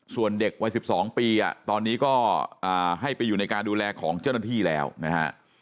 ส่วนเด็กวัย๑๒ปีตอนนี้ก็ให้ไปอยู่ในการดูแลของเจ้าหน้าที่แล้วนะฮะ